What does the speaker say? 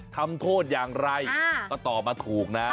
ทำโทษอย่างไรก็ตอบมาถูกนะ